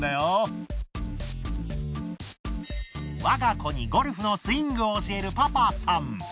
わが子にゴルフのスイングを教えるパパさん。